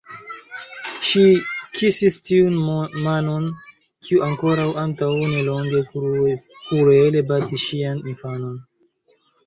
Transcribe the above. Ŝi kisis tiun manon, kiu ankoraŭ antaŭ nelonge kruele batis ŝian infanon.